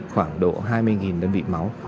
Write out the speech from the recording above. khoảng độ hai mươi đơn vị máu